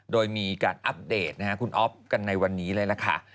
โดยมีการอัปเดตคุณอ๊อฟกันในวันนี้เลยล่ะค่ะ